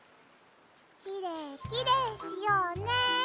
きれいきれいしようね。